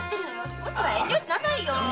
すこしは遠慮しなさいよ。